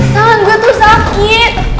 san gue terus sakit